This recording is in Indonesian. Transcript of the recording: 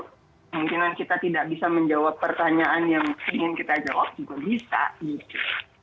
kemungkinan kita tidak bisa menjawab pertanyaan yang ingin kita jawab juga bisa gitu